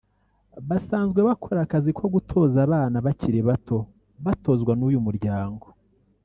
basanzwe bakora akazi ko gutoza abana bakiri bato batozwa n’uyu muryango